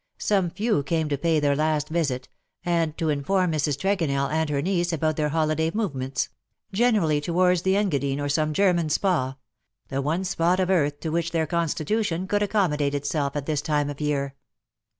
Some few came to pay their last visit, and to inform Mrs. Tregonell and her niece about their holiday movements — generally towards the Enga dine or some German Spa — the one spot of earth to which their constitution could accommodate itself at this time of year.